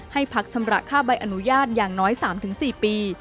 ให้พักชำระค่าใบอนุญาตอย่างน้อย๓๔ปี